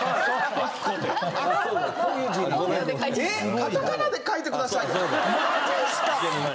カタカナで書いてくださいよ。